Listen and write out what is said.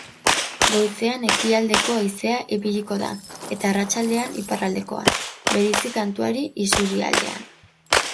Goizean ekialdeko haizea ibiliko da, eta arratsaldean iparraldekoa, bereziki kantauri isurialdean.